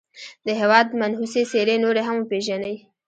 د هېواد منحوسي څېرې نورې هم وپېژني.